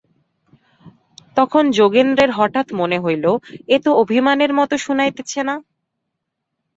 তখন যোগেন্দ্রের হঠাৎ মনে হইল, এ তো অভিমানের মতো শুনাইতেছে না।